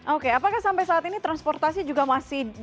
oke apakah sampai saat ini transportasi juga masih